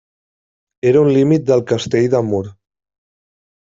Era un límit del castell de Mur.